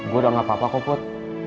gue udah gak apa apa koput